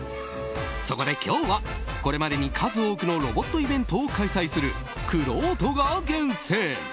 そこで今日は、これまでに数多くのロボットイベントを開催するくろうとが厳選！